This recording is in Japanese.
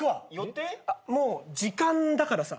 もう「時間」だからさ。